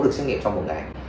được xét nghiệm trong một ngày